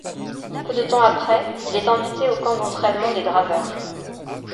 Peu de temps après, il est invité au camp d’entraînement des Draveurs.